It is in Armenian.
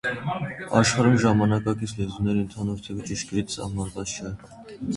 Աշխարհում ժամանակակից լեզուների ընդհանուր թիվը ճշգրիտ սահմանված չէ։